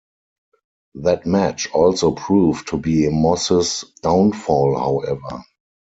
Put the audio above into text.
That match also proved to be Moss's downfall, however.